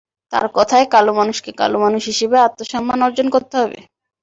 তাঁর কথায়, কালো মানুষকে কালো মানুষ হিসেবেই আত্মসম্মান অর্জন করতে হবে।